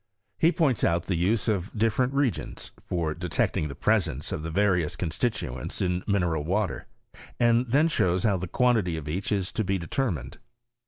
He points out the use of different reagents, for detecting the presence of the various constituents in mineral water, and then shows how the quantity of each is to be determined.